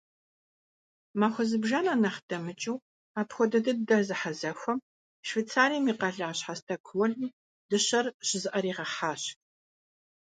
Махуэ зыбжанэ нэхъ дэмыкӀыу апхуэдэ дыдэ зэхьэзэхуэм Швецием и къалащхьэ Стокгольм дыщэр щызыӀэригъэхьащ.